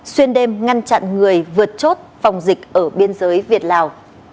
xuyên đêm ngăn chặn người vượt chốt phòng dịch ở biên giới việt lào